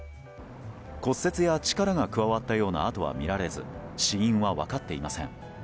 骨折や、力が加わったような跡は見られず死因は分かっていません。